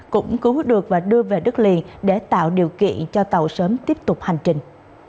cũng cứu hút được và đưa về đất liền để tạo điều kiện cho tàu sớm tiếp tục hành trình